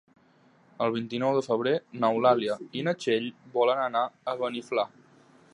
El vint-i-nou de febrer n'Eulàlia i na Txell volen anar a Beniflà.